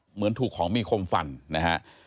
เหมือนถูกของมีคมฟันนะฮะ